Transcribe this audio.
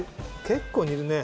結構煮るね。